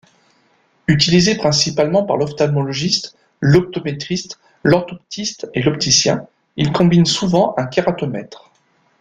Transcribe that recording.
Utilisé principalement par l'ophtalmologiste, l'optométriste, l'orthoptiste et l'opticien, il combine souvent un kératomètre.